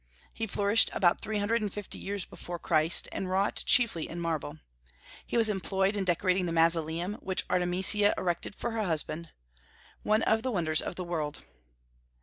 He flourished about three hundred and fifty years before Christ, and wrought chiefly in marble. He was employed in decorating the Mausoleum which Artemisia erected to her husband, one of the wonders of the world.